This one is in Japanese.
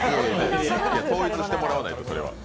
統一してもらわないと、それは。